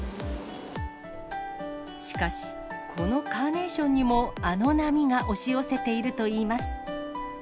しかし、このカーネーションにもあの波が押し寄せているといいます。